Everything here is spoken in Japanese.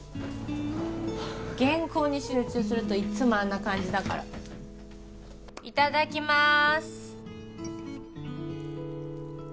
原稿に集中するといっつもあんな感じだからいただきます